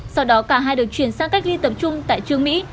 sau đó cả hai được chuyển sang cách ly tập trung tại trương mỹ